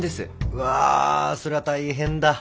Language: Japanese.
うわそれは大変だ。